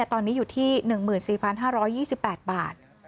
ตอนนี้อยู่ที่๑๔๕๒๘บาท